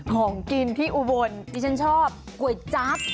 ของกินที่อุบลดิฉันชอบก๋วยจั๊บ